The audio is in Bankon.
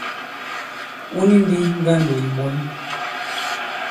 Wu ni ndī ŋgandò ì ɓɔ̌n.